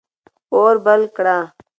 اور بل کړه.